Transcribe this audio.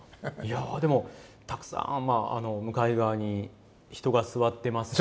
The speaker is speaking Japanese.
いやでもたくさん向かい側に人が座ってます。